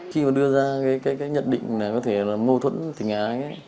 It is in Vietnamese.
khi mà đưa ra cái nhận định này có thể là mâu thuẫn tình ái